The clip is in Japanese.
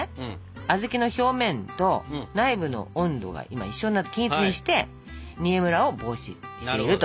小豆の表面と内部の温度が今一緒になって均一にして煮えむらを防止していると。